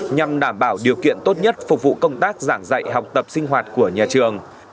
nhằm đảm bảo điều kiện tốt nhất phục vụ công tác giảng dạy học tập sinh hoạt của nhà trường